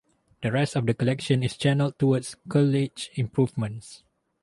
The rest of the collection is channelled towards college improvements.